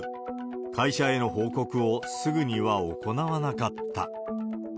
会社への報告をすぐには行わなかった。